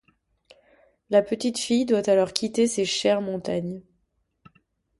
La petite fille doit alors quitter ses chères montagnes.